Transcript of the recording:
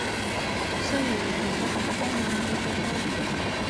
雖然運動一下聽落係幾健康